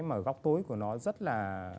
mà góc tối của nó rất là